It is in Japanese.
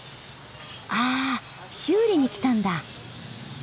あ修理に来たんだ。